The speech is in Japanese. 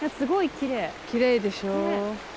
きれいでしょ。